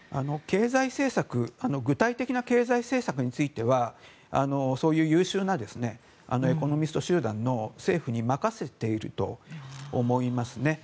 具体的な経済政策については優秀なエコノミスト集団の政府に任せていると思いますね。